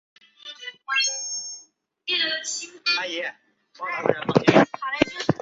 美洲鳗鲡鱼类。